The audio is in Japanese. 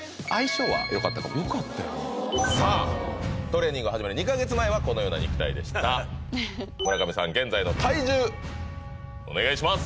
トレーニングを始める２か月前はこのような肉体でした村上さん現在の体重お願いします！